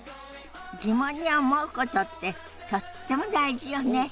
疑問に思うことってとっても大事よね。